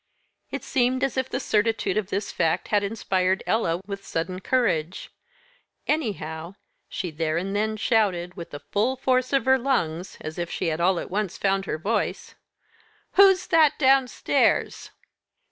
It seemed as if the certitude of this fact had inspired Ella with sudden courage. Anyhow, she there and then shouted, with the full force of her lungs, as if she all at once had found her voice. "Who's that downstairs?"